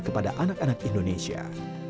kepada anak anak yang diperlukan